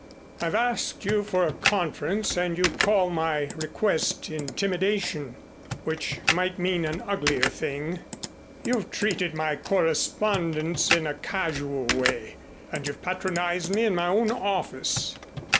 I've asked you for a conference and you call my request intimidation which might mean a much uglier thing. You've treated my correspondence in a casual way and you've patronized me in my own office.